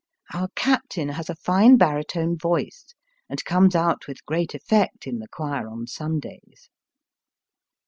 Our captain has a fine baritone voice, and comes out with great effect in the choir on Sundays.